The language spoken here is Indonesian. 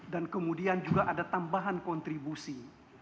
dan kemudian juga ada tambahan kontribusi